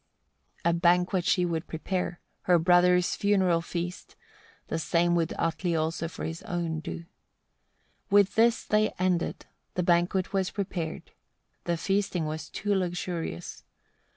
71. A banquet she would prepare, her brothers' funeral feast; the same would Atli also for his own do. 72. With this they ended; the banquet was prepared; the feasting was too luxurious.